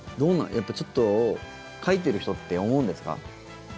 やっぱり、ちょっと書いてる人って思うんですか？